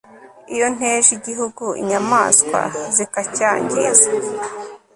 iyo nteje igihugu inyamaswa zikacyangiza